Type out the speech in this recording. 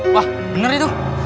wah bener itu